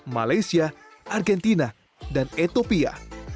malaysia argentina dan etopia